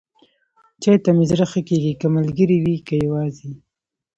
چای ته مې زړه ښه کېږي، که ملګری وي، که یواځې.